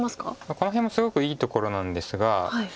この辺もすごくいいところなんですが。